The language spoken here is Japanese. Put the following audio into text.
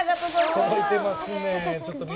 届いてますねん。